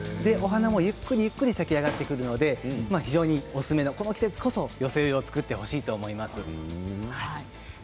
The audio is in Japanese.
お花もゆっくりと咲き上がってくるのでこの季節こそ、寄せ植えを作っていただきたいと思います。